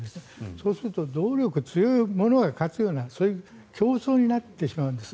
そうすると動力が強いものが勝つようなそういう競争になってしまうんです。